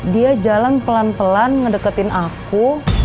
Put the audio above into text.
dia jalan pelan pelan ngedeketin aku